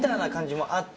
もあって。